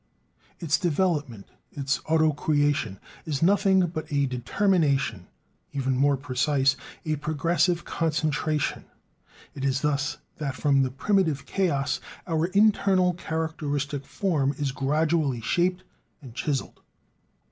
Its development, its auto creation, is nothing but a determination even more precise, a progressive "concentration"; it is thus that from the primitive chaos our internal characteristic form is gradually shaped and chiselled.